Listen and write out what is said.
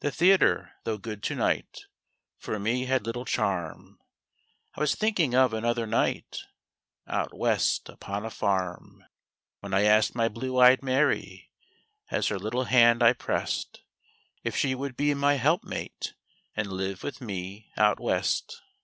The theater, though good to night, For me had little charm; I was thinking of another night— Out West upon a farm— When I asked my blue eyed Mary, As her little hand I pressed, If she would be my helpmate, And live with me out West.